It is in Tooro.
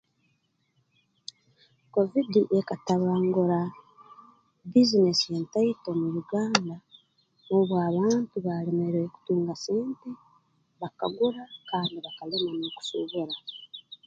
Kovidi ekatabangura bbiizinesi entaito mu Uganda obu abantu baalemerwe kutunga sente bakagura kandi bakalima n'okusuubura